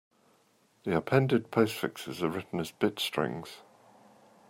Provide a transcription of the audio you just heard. The appended postfixes are written as bit strings.